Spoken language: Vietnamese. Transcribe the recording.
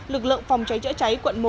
lực lượng phòng cháy chữa cháy quận một